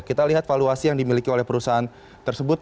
kita lihat valuasi yang dimiliki oleh perusahaan tersebut